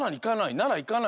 ならいかない。